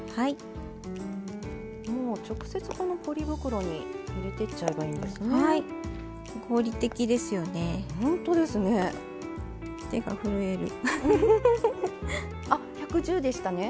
直接ポリ袋に入れてっちゃえばいいんですね。